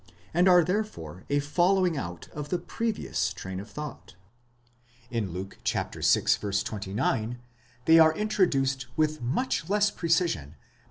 and are therefore a following out of the previous train of thought. In Luke (vi. 29), they are introduced with much less precision by.